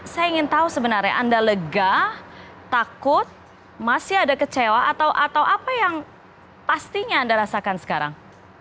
saya ingin tahu sebenarnya anda lega takut masih ada kecewa atau apa yang pastinya anda rasakan sekarang